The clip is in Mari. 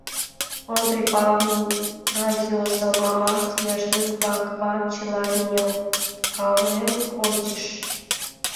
Ондрий Павыл радио салмамат, яшлык-влакымат чыла ниялткален ончыш.